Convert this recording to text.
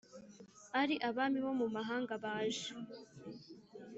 Ari abami bo mu mahanga baje